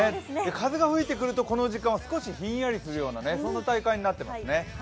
風が吹いてくると、この時間は少しひんやりするような体感になってますね。